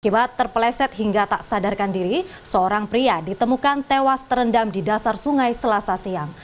akibat terpeleset hingga tak sadarkan diri seorang pria ditemukan tewas terendam di dasar sungai selasa siang